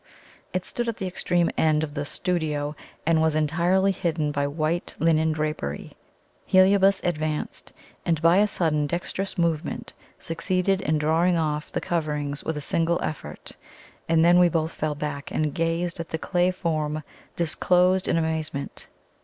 It stood at the extreme end of the studio, and was entirely hidden by white linen drapery. Heliobas advanced, and by a sudden dexterous movement succeeded in drawing off the coverings with a single effort, and then we both fell back and gazed at the clay form disclosed in amazement.